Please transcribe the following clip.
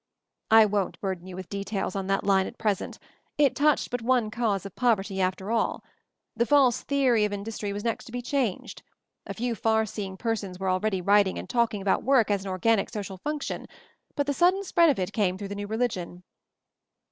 "I won't burden you with details on that line at present ; it touched but one cause of poverty after all. The false theory of in dustry was next to be changed. A few far seeing persons were already writing and talking about work as an organic social function, but the sudden spread of it came through the new religion."